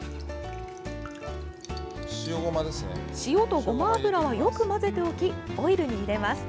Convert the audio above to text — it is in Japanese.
塩とごま油はよく混ぜておきオイルに入れます。